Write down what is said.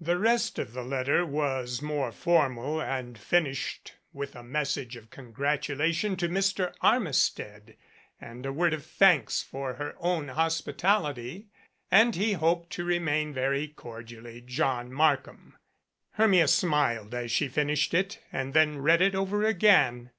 The rest of the letter was more formal and finished with a message of congratulation to Mr. Armistead and a 98 THE FUGITIVE word of thanks for her own hospitality. And he hoped to remain very cordially "John Markham." Hermia smiled as she finished it and then read it over again.